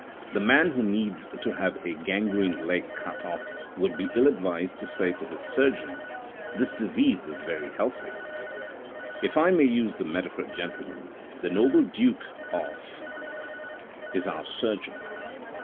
The man who needs to have a gangrened leg cut off would be ill advised to say to his surgeon, ' this disease is very healthy.' If I may use the metaphor, gentlemen, the noble duke of is our surgeon."